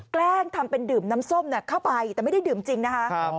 แกล้งทำเป็นดื่มน้ำส้มเข้าไปแต่ไม่ได้ดื่มจริงนะคะ